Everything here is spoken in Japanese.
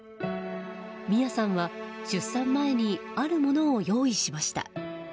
美弥さんは出産前にあるものを用意しました。